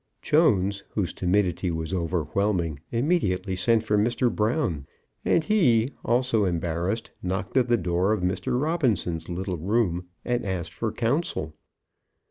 Jones, whose timidity was overwhelming, immediately sent for Mr. Brown; and he, also embarrassed, knocked at the door of Mr. Robinson's little room, and asked for counsel.